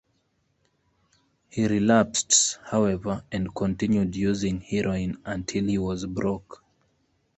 He relapsed, however, and "continued using heroin until he was broke".